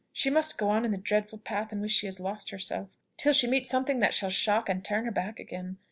She must go on in the dreadful path in which she has lost herself, till she meet something that shall shock and turn her back again.